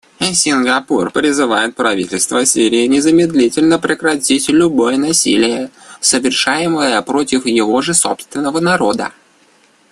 Сингапур призывает правительство Сирии незамедлительно прекратить любое насилие, совершаемое против его же собственного народа.